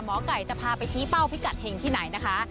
หมอไก่จะพาไปชี้เป้าพิกัดเห็งที่ไหนนะคะ